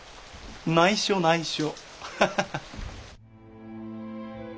内緒内緒。